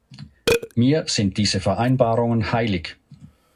Mir sind diese Vereinbarungen heilig.